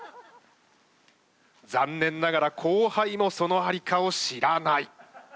残念ながら後輩もそのありかを知らない。